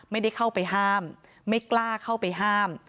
ไม่ได้เข้าไปห้ามไม่กล้าเข้าไปห้าม